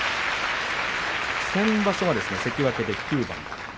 先場所は関脇で９番。